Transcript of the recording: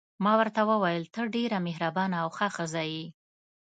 ما ورته وویل: ته ډېره مهربانه او ښه ښځه یې.